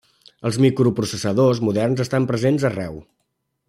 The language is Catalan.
Els microprocessadors moderns estan presents arreu.